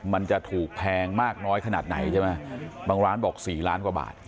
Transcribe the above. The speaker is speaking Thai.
มันจะถูกแพงมากน้อยขนาดไหนใช่ไหมบางร้านบอก๔ล้านกว่าบาท